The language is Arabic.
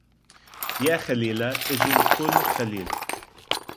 يا خليلا أجل كل خليل